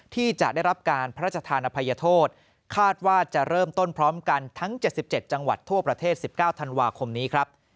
ที่จะได้รับการพระราชธานอภัยโทษคาดว่าจะเริ่มต้นพร้อมกันทั้ง๗๗จังหวัดทั่วประเทศ๑๙ธันวาคมนี้ครับ